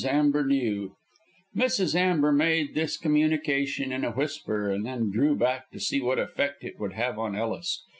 AMBER KNEW Mrs. Amber made this communication in a whisper, and then drew back to see what effect it would have on Ellis.